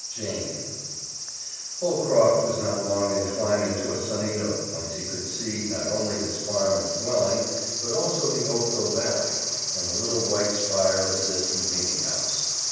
Jane Holcroft was not long in climbing to a sunny nook whence he could see not only his farm and dwelling, but also the Oakville valley, and the little white spire of the distant meeting house.